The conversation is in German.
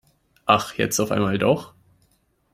Ach, jetzt auf einmal doch?